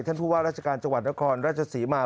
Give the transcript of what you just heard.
ท่านผู้ว่าราชการจังหวัดนครราชศรีมา